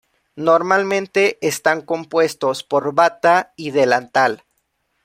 Normalmente están compuestos por bata y delantal.